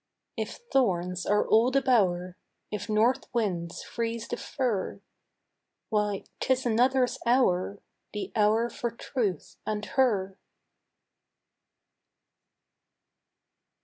If thorns are all the bower, If north winds freeze the fir, Why, 'tis another's hour, The hour for truth and her.